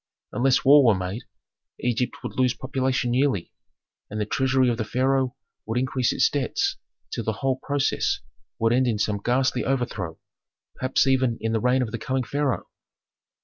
Unless war were made, Egypt would lose population yearly, and the treasury of the pharaoh would increase its debts till the whole process would end in some ghastly overthrow, perhaps even in the reign of the coming pharaoh.